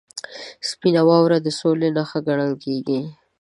• سپینه واوره د سولې نښه ګڼل کېږي.